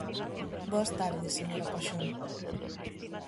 Boas tardes, señora Paxón.